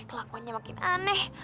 kelakuannya makin aneh